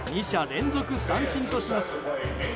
２者連続三振とします。